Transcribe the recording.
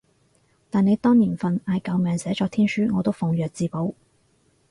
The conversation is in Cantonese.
但你當年份嗌救命寫作天書，我都奉若至寶